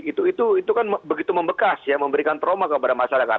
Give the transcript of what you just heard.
itu kan begitu membekas ya memberikan trauma kepada masyarakat